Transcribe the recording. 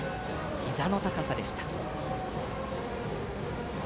ひざの高さでした。